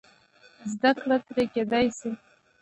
زده کړه ترې کېدای شي.